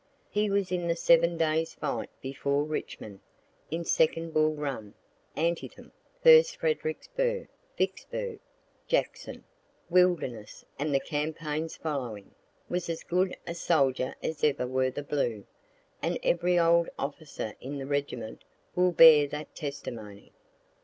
He was in the Seven Days fight before Richmond, in second Bull Run, Antietam, first Fredericksburgh, Vicksburgh, Jackson, Wilderness, and the campaigns following was as good a soldier as ever wore the blue, and every old officer in the regiment will bear that testimony.